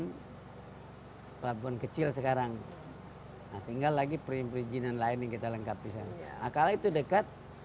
di pelabuhan kecil sekarang tinggal lagi pribadi jenen lainnya kita lengkapi sangat akal itu dekat